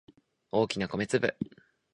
大きな米粒